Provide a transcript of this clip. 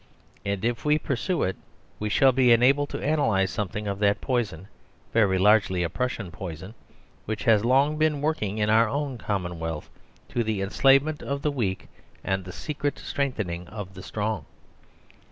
And if we pursue it, we shall be enabled to analyse something of that poison very largely a Prussian poison which has long been working in our own commonwealth, to the enslavement of the weak and the secret strengthening of the strong.